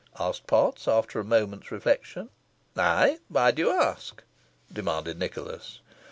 asked Potts, after a moment's reflection. "Ay, why do you ask?" demanded Nicholas.